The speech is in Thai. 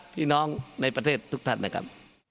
พี่น้องในประเทศทุกท่านนะครับ